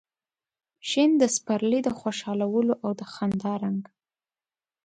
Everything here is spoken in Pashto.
شین د سپرلي د خوشحالو او د خندا رنګ